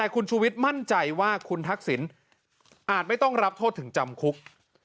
คุณชูวิทย์มั่นใจว่าคุณทักษิณอาจไม่ต้องรับโทษถึงจำคุก